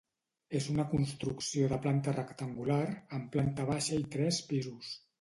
És una construcció de planta rectangular, amb planta baixa i tres pisos.